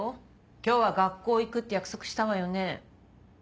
今日は学校行くって約束したわよね？